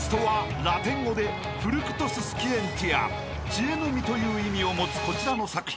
［知恵の実という意味を持つこちらの作品］